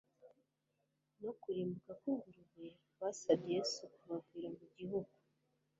no kurimbuka kw'ingurube, basabye Yesu kubavira mu gihugu.